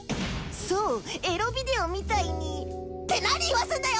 そうエロビデオみたいにって何言わすんだよ！